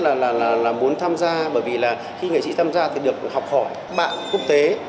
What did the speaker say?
là muốn tham gia bởi vì là khi nghệ sĩ tham gia thì được học hỏi bạn quốc tế